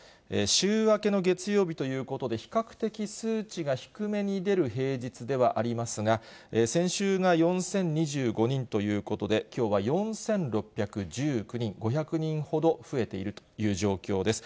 週明けの月曜日ということで、比較的数値が低めに出る平日ではありますが、先週が４０２５人ということで、きょうは４６１９人、５００人ほど増えているという状況です。